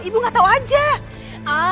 ibu gak tau aja